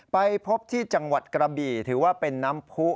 ไปพบที่จังหวัดกระบี่ถือว่าเป็นน้ำผู้